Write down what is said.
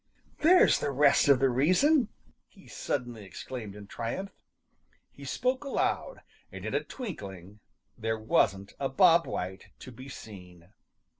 "There's the rest of the reason!" he suddenly exclaimed in triumph. He spoke aloud, and in a twinkling there wasn't a Bob White to be seen.